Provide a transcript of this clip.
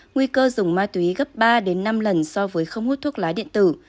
nguy cơ dùng ma túy gấp ba năm lần so với không hút thuốc lá điện tử